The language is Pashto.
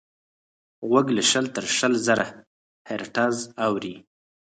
غوږ له شل تر شل زره هیرټز اوري.